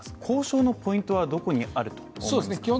交渉のポイントはどこにあると思われますか？